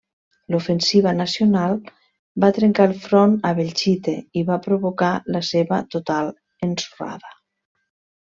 L'ofensiva nacional va trencar el front a Belchite i va provocar la seva total ensorrada.